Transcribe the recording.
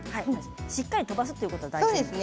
しっかり飛ばすということですね。